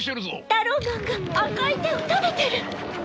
タローマンが赤い手を食べてる！？